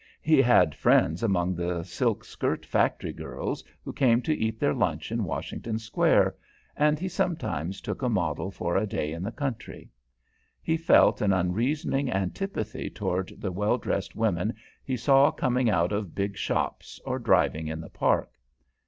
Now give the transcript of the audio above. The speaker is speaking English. He had friends among the silk skirt factory girls who came to eat their lunch in Washington Square, and he sometimes took a model for a day in the country. He felt an unreasoning antipathy toward the well dressed women he saw coming out of big shops, or driving in the Park.